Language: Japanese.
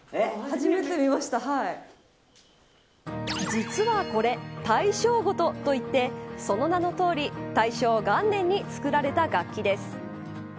実はこれ大正琴といってその名のとおり大正元年に作られた楽器です。